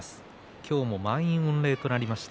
今日も満員御礼となりました。